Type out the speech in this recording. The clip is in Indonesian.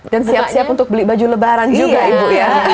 dan siap siap untuk beli baju lebaran juga ibu